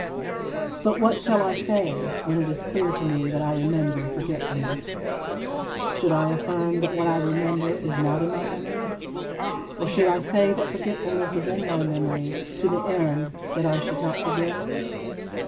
But what shall I say, when it is clear to me that I remember forgetfulness? Should I affirm that what I remember is not in my memory? Or should I say that forgetfulness is in my memory to the end that I should not forget?